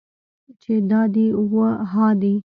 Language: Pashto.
چې دا دي و ها دي.